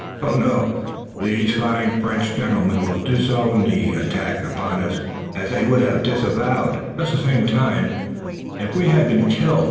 Oh, no, these fine French gentlemen will disown the attack upon us, as they would have disavowed it, just the same, if we had been killed.